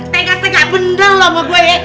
tengak tengak bener sama gua ya